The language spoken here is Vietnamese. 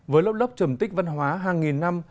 với lốc lốc trầm tích văn hóa hàng nghìn năm